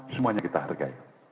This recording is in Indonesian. semuanya kita hargai